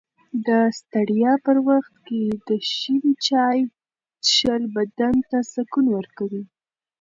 د ستړیا په وخت کې د شین چای څښل بدن ته سکون ورکوي.